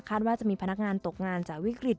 ว่าจะมีพนักงานตกงานจากวิกฤต